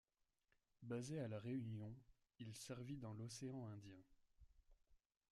Basé à la Réunion, il servit dans l'océan Indien.